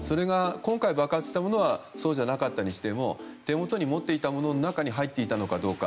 それが今回、爆発したものはそうじゃなかったにしても手元に持っていたものの中に入っていたのかどうか。